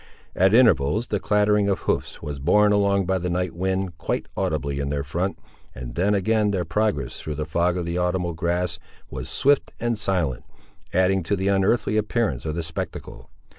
At intervals, the clattering of hoofs was borne along by the night wind, quite audibly in their front, and then, again, their progress through the fog of the autumnal grass, was swift and silent; adding to the unearthly appearance of the spectacle.